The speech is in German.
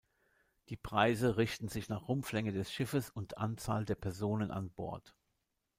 Die Preise richten sich nach Rumpflänge des Schiffes und Anzahl der Personen an Bord.